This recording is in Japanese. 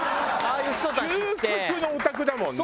究極のオタクだもんね。